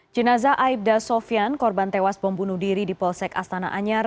jenazah aibda sofyan korban tewas pembunuh diri di polsek astana anyar